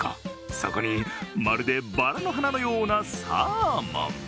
そこに、まるでバラの花のようなサーモン。